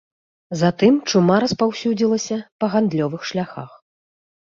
Затым чума распаўсюдзілася па гандлёвых шляхах.